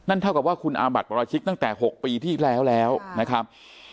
เท่ากับว่าคุณอาบัติปราชิกตั้งแต่๖ปีที่แล้วแล้วนะครับ